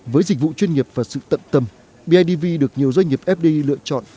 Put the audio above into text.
với dịch vụ chuyên nghiệp và sự tận tâm bidv được nhiều doanh nghiệp fdi lựa chọn